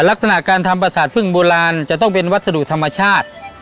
ลักษณะการทำประสาทพึ่งโบราณจะต้องเป็นวัสดุธรรมชาติ